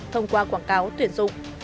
thông qua quảng cáo tuyển dụng